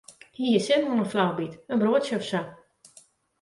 Hy hie sin oan in flaubyt, in broadsje of sa.